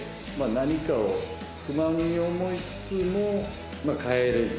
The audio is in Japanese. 何かを不満に思いつつも変えれずに。